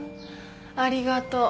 ありがとう。